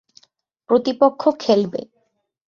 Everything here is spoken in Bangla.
প্রতিপক্ষ খেলবে।